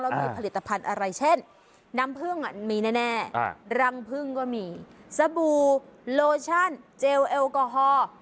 มีผลิตภัณฑ์อะไรเช่นน้ำพึ่งมีแน่รังพึ่งก็มีสบู่โลชั่นเจลแอลกอฮอล์